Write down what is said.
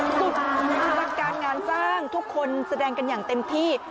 ส่วนการงานสร้างทุกคนแสดงกันอย่างเต็มที่